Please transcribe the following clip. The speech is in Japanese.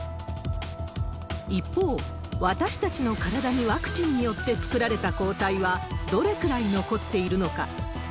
一方、私たちの体にワクチンによって作られた抗体はどれくらい残っているのか。